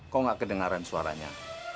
kok gak kedengaran suaranya